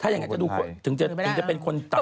ถ้าอย่างนั้นจะดูถึงจะเป็นคนต่ำ